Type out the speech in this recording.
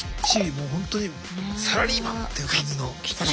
もうほんとにサラリーマンっていう感じの。